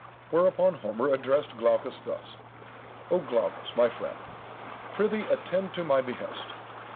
Whereupon Homer addressed Glaucus thus: O Glaucus, my friend, prythee attend to my behest.